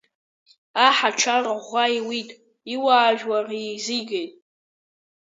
Аҳ ачара ӷәӷәа иуит, иуаажәлар еизигет.